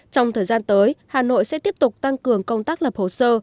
trong thời gian tới hà nội sẽ tiếp tục tăng cường công tác lập hồ sơ